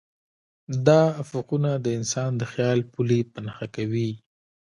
دا افقونه د انسان د خیال پولې په نښه کوي.